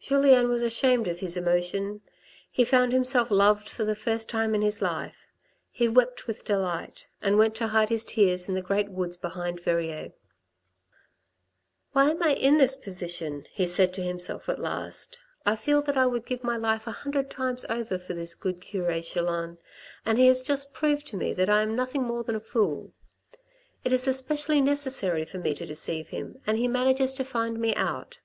Julien was ashamed of his emotion ; he found himself loved for the first time in his life ; he wept with delight ; and went to hide his tears in the great woods behind Verrieres. " Why am I in this position ?" he said to himself at last, " I feel that I would give my life a hundred times over for this good cure Chelan, and he has just proved to me that I am nothing more than a fool. It is especially necessary for me to deceive him, and he manages to find me out.